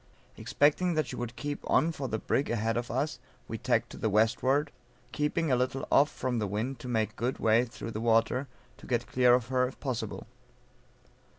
Expecting that she would keep on for the brig ahead of us, we tacked to the westward, keeping a little off from the wind to make good way through the water, to get clear of her if possible.